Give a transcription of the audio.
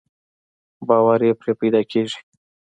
باور يې پرې پيدا کېږي.